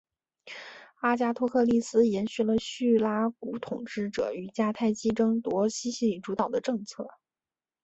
阿加托克利斯延续了叙拉古统治者与迦太基争夺西西里主导的政策。